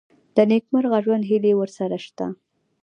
د نېکمرغه ژوند هیلې ورسره شته.